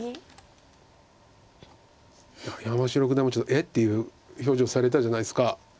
山城九段もちょっと「えっ？」っていう表情されたじゃないですか。